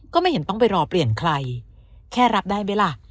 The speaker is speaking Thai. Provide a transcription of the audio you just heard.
ก็ไม่เห็นต้องไปรอเปลี่ยนใครแค่รับได้ไหมล่ะ